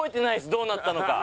どうなったのか。